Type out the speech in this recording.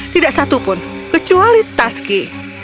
tidak satu pun kecuali taski